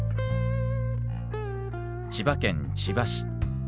千葉県千葉市。